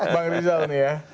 bang rizal nih ya